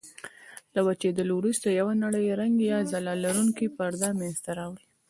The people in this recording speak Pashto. له وچېدلو وروسته یوه نرۍ رنګه یا ځلا لرونکې پرده منځته راوړي.